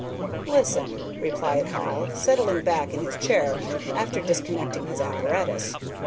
"Listen," replied Hall, settling back in his chair after disconnecting his apparatus.